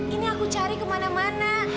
ini aku cari kemana mana